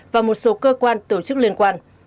và một số cơ quan tổ chức liên quan